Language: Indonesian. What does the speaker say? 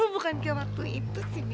bukan ke waktu itu sih